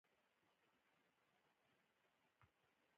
دا ارزښت د لازم کار په کموالي سره رامنځته کېږي